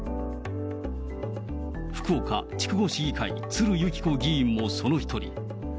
福岡・筑後市議会、鶴佑季子議員もその一人。